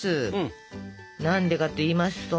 何でかっていいますと。